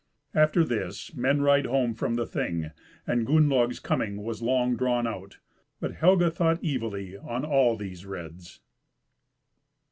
After this men ride home from the Thing, and Gunnlaug's coming was long drawn out. But Helga thought evilly of all these redes.